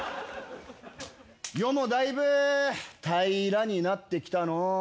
世もだいぶ平らになってきたのう。